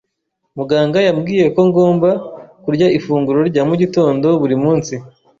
Muganga yambwiye ko ngomba kurya ifunguro rya mu gitondo buri munsi.